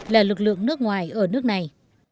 là lực lượng nước ngoài ở nước này